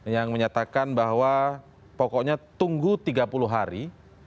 yang menyatakan bahwa pokoknya tunggu tiga puluh hari